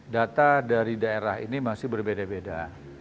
data dari daerah ini masih berbeda beda